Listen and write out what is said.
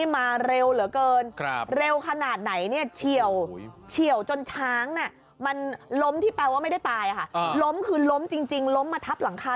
มันล้มที่แปลงว่าไม่ได้ตายล้มคือล้มจริงมาทับหลังคา